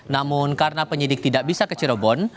namun karena penyidik tidak bisa ke cirebon